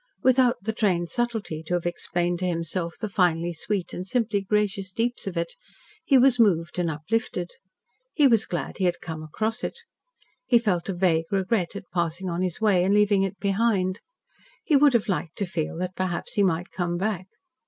Without the trained subtlety to have explained to himself the finely sweet and simply gracious deeps of it, he was moved and uplifted. He was glad he had "come across" it, he felt a vague regret at passing on his way, and leaving it behind. He would have liked to feel that perhaps he might come back.